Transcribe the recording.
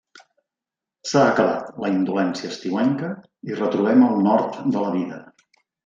S'ha acabat la indolència estiuenca i retrobem el nord de la vida.